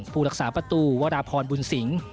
ผู้รักษาประตูวราพรบุญสิงศ์